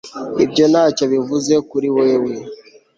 ibyo ntacyo bivuze kuri wewe